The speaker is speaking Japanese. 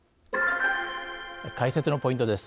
解説のポイントです。